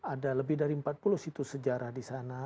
ada lebih dari empat puluh situs sejarah disana